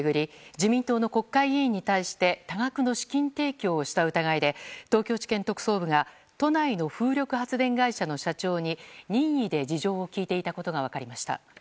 自民党の国会議員に対して多額の資金提供をした疑いで東京地検特捜部が都内の風力発電会社の社長に任意で事情を聴いていたことが分かりました。